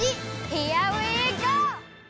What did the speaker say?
ヒアウィーゴー！